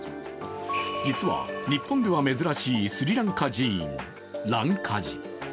実は、日本では珍しいスリランカ寺院、蘭華寺。